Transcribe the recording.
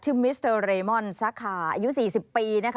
ชื่อมิสเตอร์เรมอนซะค่ะอายุ๔๐ปี